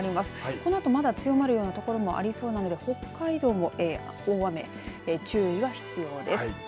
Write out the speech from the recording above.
このあと、まだ強まるようなところもありそうなので北海道も大雨、注意が必要です。